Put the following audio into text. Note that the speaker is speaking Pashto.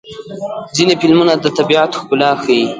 ځینې فلمونه د طبیعت ښکلا ښيي.